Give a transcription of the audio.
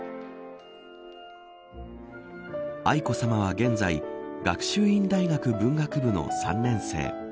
愛子さまは現在学習院大学文学部の３年生。